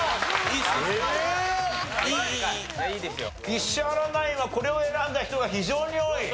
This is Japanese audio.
石原ナインはこれを選んだ人が非常に多い！